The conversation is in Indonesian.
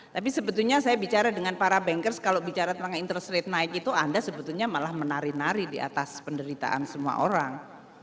tapi sebetulnya saya bicara dengan para bankers kalau bicara tentang interest rate naik itu anda sebetulnya malah menari nari di atas penderitaan semua orang